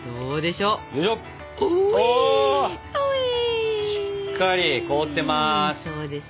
しっかり凍ってます。